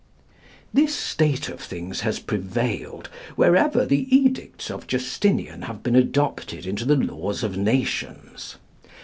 This state of things has prevailed wherever the edicts of Justinian have been adopted into the laws of nations.